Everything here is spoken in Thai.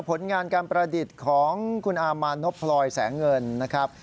ผลงานการประดิษฐ์ของคุณอามานพพลอยแสงเงินนะครับ